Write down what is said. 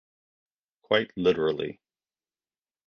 Quite literally.